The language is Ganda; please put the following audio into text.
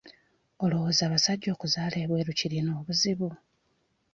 Olowooza abasajja okuzaala ebweru kirina obuzibu?